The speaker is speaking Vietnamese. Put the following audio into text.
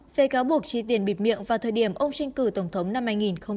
phê cáo buộc chi tiền bịp miệng vào thời điểm ông tranh cử tổng thống năm hai nghìn một mươi sáu